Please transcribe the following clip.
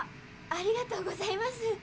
ありがとうございます。